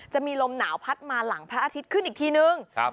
จะมีลมหนาวพัดมาหลังพระอาทิตย์ขึ้นอีกทีนึงครับ